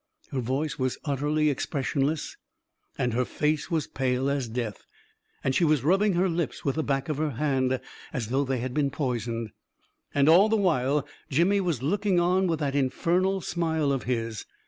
Her voice was utterly expressionless and her face was jJale as death ; and she was rubbing her lips with the back of her hand, as though they had been poisoned. And all the while, Jimmy was looking on with that infernal smile of his.